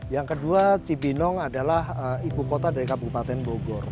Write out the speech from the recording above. yang kedua cibinong adalah ibu kota dari kabupaten bogor